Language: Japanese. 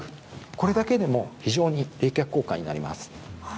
これだけでも非常に冷却効果になります。